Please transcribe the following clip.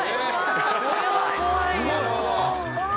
これは怖いよ。